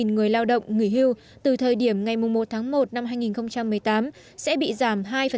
hai mươi một người lao động người hưu từ thời điểm ngày một tháng một năm hai nghìn một mươi tám sẽ bị giảm hai đến một mươi lương hưu